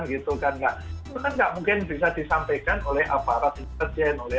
itu kan nggak mungkin bisa disampaikan oleh aparat intelijen